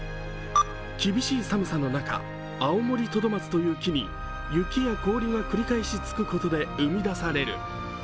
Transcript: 厳しい寒さの中、アオモリトドマツという木に雪や氷が繰り返しつくことで生み出される。